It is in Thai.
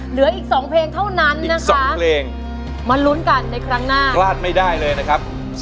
เหลืออีก๒เพลงเท่านั้นนะคะมาลุ้นกันในครั้งหน้าพลาดไม่ได้เลยนะครับ